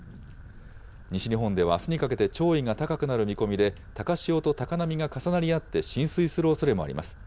西日本ではあすにかけて潮位が高くなる見込みで、高潮と高波が重なり合って浸水するおそれもあります。